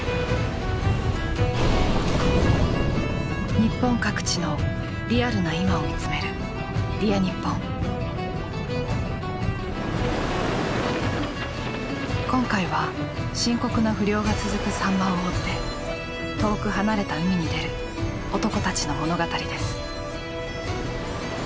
日本各地のリアルな今を見つめる今回は深刻な不漁が続くサンマを追って遠く離れた海に出る男たちの物語です。